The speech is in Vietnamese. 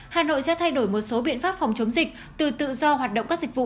hà nội sẽ thay đổi một số biện pháp phòng chống dịch từ tự do hoạt động các dịch vụ